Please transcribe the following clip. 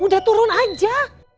udah turun aja